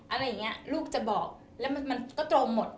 อะไรอย่างนี้ลูกจะบอกแล้วมันก็ตรงหมด